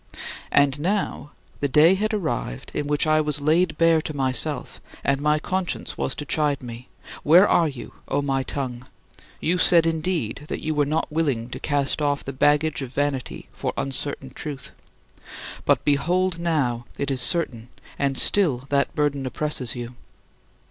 And now the day had arrived in which I was laid bare to myself and my conscience was to chide me: "Where are you, O my tongue? You said indeed that you were not willing to cast off the baggage of vanity for uncertain truth. But behold now it is certain, and still that burden oppresses you.